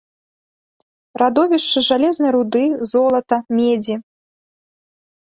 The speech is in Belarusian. Радовішчы жалезнай руды, золата, медзі.